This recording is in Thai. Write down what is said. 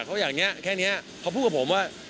เขาอย่างนี้แค่นี้เขาพูดกับผมว่า